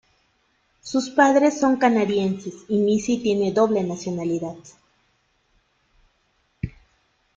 Sus padres son canadienses y Missy tiene doble nacionalidad.